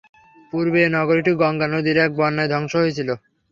পূর্বে এ নগরীটি গঙ্গা নদীর এক বন্যায় ধ্বংস হয়েছিল।